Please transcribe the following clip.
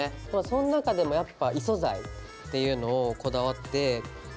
その中でもやっぱ異素材っていうのをこだわってレース。